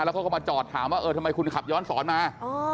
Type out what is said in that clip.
แล้วก็เข้ามาจอดถามว่าทำไมคุณขับย้อนศรมา